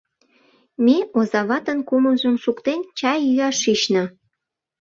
Ме оза ватын кумылжым шуктен, чай йӱаш шична.